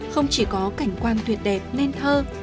không chỉ có cảnh quan tuyệt đẹp nên thơ